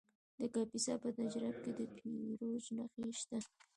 د کاپیسا په نجراب کې د بیروج نښې شته.